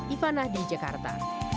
ivana di jakarta